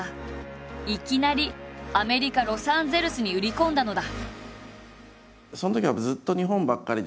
いきなりアメリカ・ロサンゼルスに売り込んだのだ。